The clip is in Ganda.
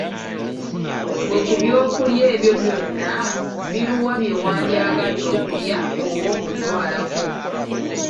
Ggwe ku by'okulya ebyo byonna biruwa byewandyagadde okulya oba okutwalako?